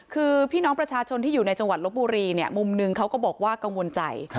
คือพี่น้องประชาชนที่อยู่ในจังหวัดลบบุรีเนี่ยมุมหนึ่งเขาก็บอกว่ากังวลใจ